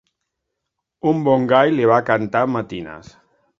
Un bon gall li va cantar matines.